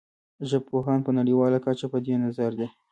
ژبپوهان په نړیواله کچه په دې نظر دي